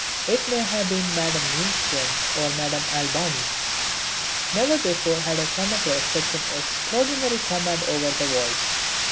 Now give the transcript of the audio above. It may have been Madame Neilson or Madame Albani. Never before had I come across such an extraordinary command over the voice.